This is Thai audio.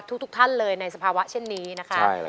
ทุกท่านเลยในสภาวะเช่นนี้นะคะ